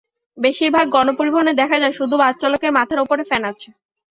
বেশির ভাগ গণপরিবহনে দেখা যায়, শুধু বাসচালকের মাথার ওপর ফ্যান আছে।